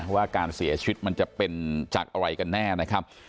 ว่าการเสียชีวิตมันจะเป็นจากอะไรกันแน่นะครับ